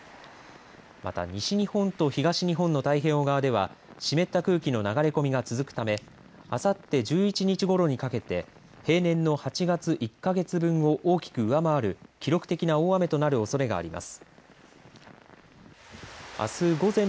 また、西日本と東日本の太平洋側では湿った空気の流れ込みが続くためあさって１１日ごろにかけて平年の８月１か月分を大きく上回る記録的な大雨となるおそれがあります。